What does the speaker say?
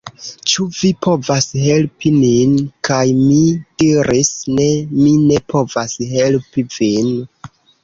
Ĉu vi povas helpi nin?" kaj mi diris: "Ne, mi ne povas helpi vin!